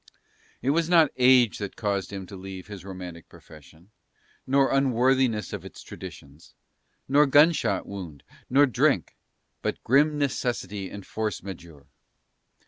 It was not age that caused him to leave his romantic profession; nor unworthiness of its traditions, nor gun shot wound, nor drink; but grim necessity and force majeure.